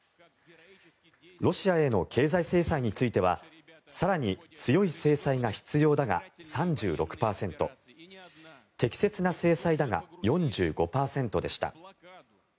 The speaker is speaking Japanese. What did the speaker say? ロシアへの経済制裁については更に強い制裁が必要だが３６％適切な制裁だが４５％でした。